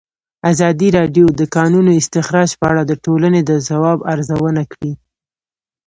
ازادي راډیو د د کانونو استخراج په اړه د ټولنې د ځواب ارزونه کړې.